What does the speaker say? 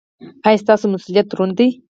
ایا ستاسو مسؤلیت دروند دی؟